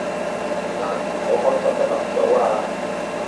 但唔好開心得咁早啊